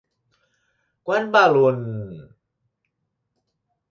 Quant val un...?